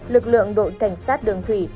lực lượng đội cảnh sát đường thủy